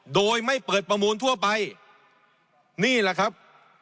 โดยไม่เปิดประมูลทั่วไปนี่แหละครับ